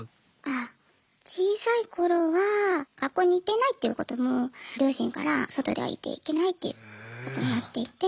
あ小さい頃は学校に行っていないということも両親から外では言ってはいけないってことになっていて。